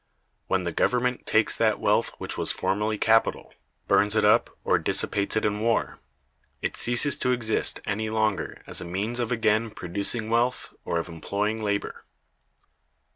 When the Government takes that wealth which was formerly capital, burns it up, or dissipates it in war, it ceases to exist any longer as a means of again producing wealth, or of employing labor.